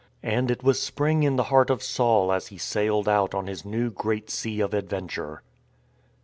And it was spring in the heart of Saul as he sailed out on his new Great Sea of Adventure.